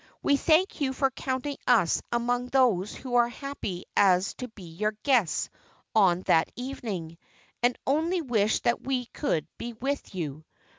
We thank you for counting us among those who are so happy as to be your guests on that evening, and only wish that we could be with you.